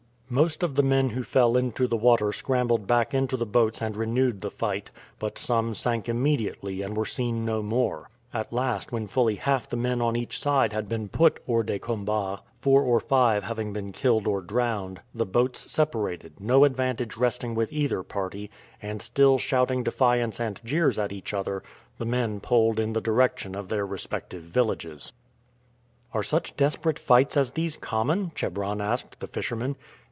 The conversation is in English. Most of the men who fell into the water scrambled back into the boats and renewed the fight, but some sank immediately and were seen no more. At last, when fully half the men on each side had been put hors de combat, four or five having been killed or drowned, the boats separated, no advantage resting with either party; and still shouting defiance and jeers at each other, the men poled in the direction of their respective villages. "Are such desperate fights as these common?" Chebron asked the fishermen.